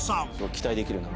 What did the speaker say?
期待できるな。